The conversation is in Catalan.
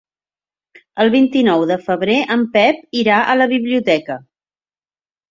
El vint-i-nou de febrer en Pep irà a la biblioteca.